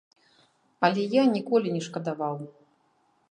Але я ніколі не шкадаваў.